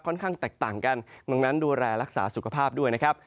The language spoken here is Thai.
ข้างแตกต่างกันดังนั้นดูแลรักษาสุขภาพด้วยนะครับ